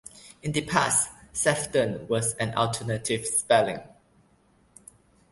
In the past "Sephton" was an alternative spelling.